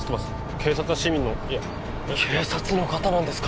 警察は市民のいや警察の方なんですか？